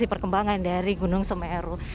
perkembangan dari gunung semeru